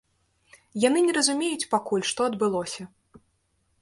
Яны не разумеюць пакуль, што адбылося.